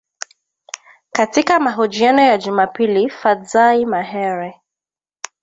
Katika mahojiano ya Jumapili Fadzayi Mahere